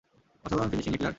অসাধারণ finishing, Hitler!